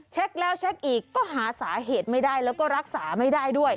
เช็คแล้วเช็คอีกก็หาสาเหตุไม่ได้แล้วก็รักษาไม่ได้ด้วย